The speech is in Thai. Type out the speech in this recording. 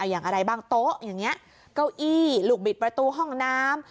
อย่างอะไรบ้างโต๊ะอย่างนี้เก้าอี้ลูกบิดประตูห้องน้ำ